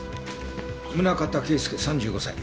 宗形圭介３５歳。